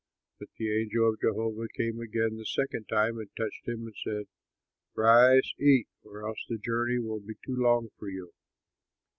But the angel of Jehovah came again the second time and touched him and said, "Rise, eat, or else the journey will be too long for you."